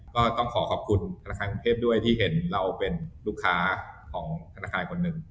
ก็ต้องขอขอบคุณธนาคารกรุงเทพด้วยที่เห็นเราเป็นลูกค้าของธนาคารคนหนึ่ง